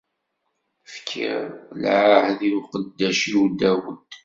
Fkiɣ lɛahed i uqeddac-iw Dawed.